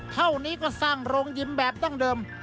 เท่านี้ก็สร้างโรงยิมแบบดั้งเดิม